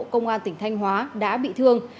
công an tỉnh thanh hóa đã bị thương